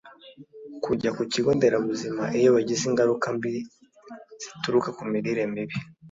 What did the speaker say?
Kujya ku kigo nderabuzima iyo bagize ingaruka mbi zituruka ku mirire mibi